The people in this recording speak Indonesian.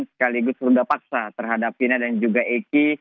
sekaligus ruda paksa terhadap china dan juga eki